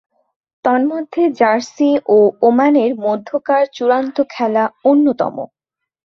তন্মধ্যে জার্সি ও ওমানের মধ্যকার চূড়ান্ত খেলা অন্যতম।